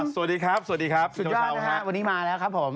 สวัสดีครับสวัสดีครับสุดยอดฮะวันนี้มาแล้วครับผม